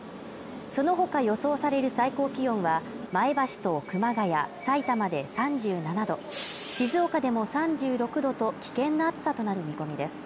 その他予想される最高気温は前橋と熊谷さいたまで３７度、静岡でも３６度と危険な暑さとなる見込みです。